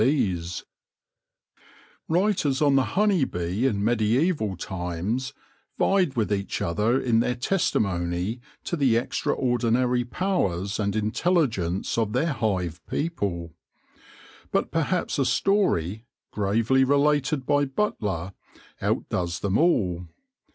BEE MASTERS IN THE MIDDLE AGES 25 Writers on the honey bee in mediaeval times vied with each other in their testimony to the extra ordinary powers and intelligence of their hive people. But perhaps a story, gravely related by Butler, out does them all.